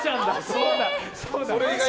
そうだ！